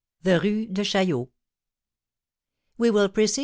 THE RUE DE CHAILLOT. We will precede M.